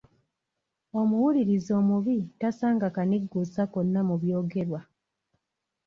Omuwuliriza omubi tasanga kanigguusa konna mu byogerwa!